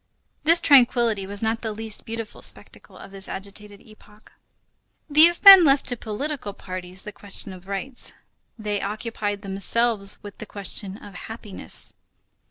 This tranquillity was not the least beautiful spectacle of this agitated epoch. These men left to political parties the question of rights, they occupied themselves with the question of happiness.